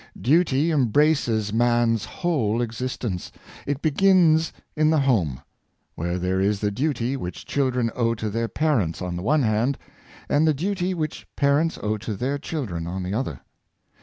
Duty embraces man's whole existence. It begins in the home, where there is the duty which children owe to their parents on the one hand, and the duty which parents owe to their children on the other.